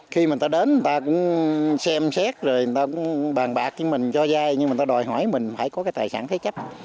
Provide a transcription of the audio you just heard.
khi mà người ta đến người ta cũng xem xét rồi người ta cũng bàn bạc với mình cho dây nhưng người ta đòi hỏi mình phải có cái tài sản thế chấp